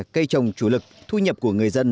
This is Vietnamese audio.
cây trồng chủ lực thu nhập của người dân